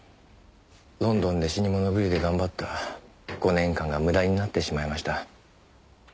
ロンドンで死にもの狂いで頑張った５年間が無駄になってしまいました。